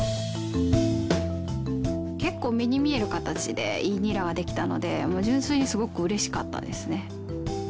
結構目に見える形でいいニラができたので純粋にすごく嬉しかったですね。